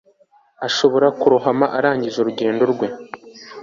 Ashobora kurohama arangije urugendo rwe